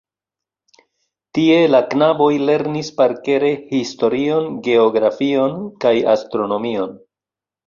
Tie la knaboj lernis parkere historion, geografion kaj astronomion.